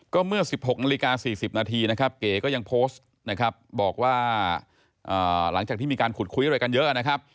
ก็เมื่อ๑๖นาฬิกา๔๐นาทีนะครับเก๋ก็ยังโพสต์นะครับบอกว่าหลังจากที่มีการขุดคุยอะไรกันเยอะนะครับ